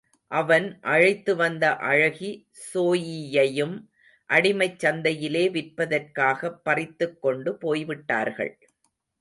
அவன் அழைத்து வந்த அழகி ஸோயியையும் அடிமைச் சந்தையிலே விற்பதற்காகப் பறித்துக் கொண்டு போய்விட்டார்கள்.